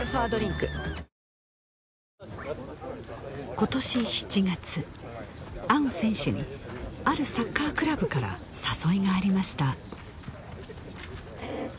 今年７月アウン選手にあるサッカークラブから誘いがありました